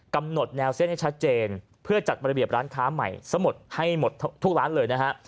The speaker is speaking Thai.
กำหนดแนวเส้นให้ชัดเจนเพื่อจัดระเบียบร้านค้าใหม่ซะหมดให้หมดทุกร้านเลยนะฮะ